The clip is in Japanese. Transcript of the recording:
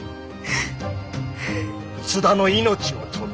津田の命を取る！